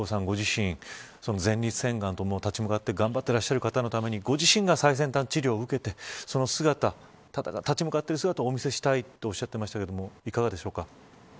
ご自身前立腺がんと立ち向かって頑張っていらっしゃる方のためにご自身が最先端治療を受けてその姿、立ち向かっている姿をお見せしたいとおっしゃってましたけれどもいかがですか。